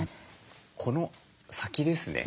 この先ですね